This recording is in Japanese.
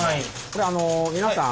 これ皆さん